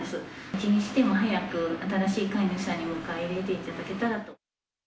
一日でも早く、新しい飼い主さんに迎え入れていただけたらと。